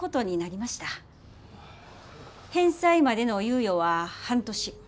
返済までの猶予は半年。